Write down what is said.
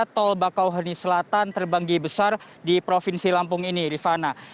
tol bakauheni selatan terbanggi besar di provinsi lampung ini rifana